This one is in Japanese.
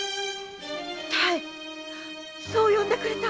「多江」そう呼んでくれた。